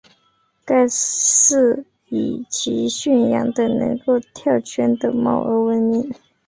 该寺以其训养的能够跳圈的猫而闻名。